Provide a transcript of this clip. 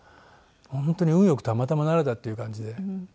本当に運良くたまたまなれたっていう感じで。